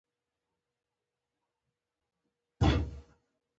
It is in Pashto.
یا هم توپير لرونکې علاقه او اړتياوې ولري.